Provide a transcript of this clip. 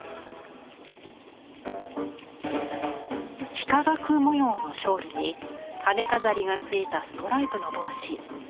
幾何学模様のショールに羽根飾りがついたストライプの帽子。